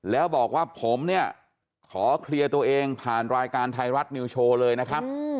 แล้วบอกว่าผมเนี่ยขอเคลียร์ตัวเองผ่านรายการไทยรัฐนิวโชว์เลยนะครับ